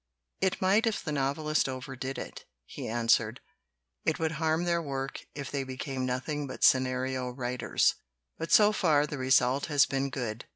"It might if the novelists overdid it," he an swered. "It would harm their work if they be came nothing but scenario writers. But so far the result has been good.